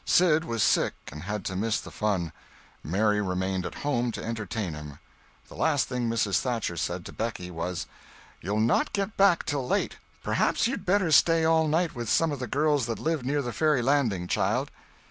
Sid was sick and had to miss the fun; Mary remained at home to entertain him. The last thing Mrs. Thatcher said to Becky, was: "You'll not get back till late. Perhaps you'd better stay all night with some of the girls that live near the ferry landing, child."